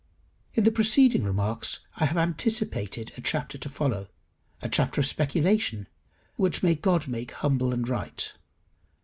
In the preceding remarks I have anticipated a chapter to follow a chapter of speculation, which may God make humble and right.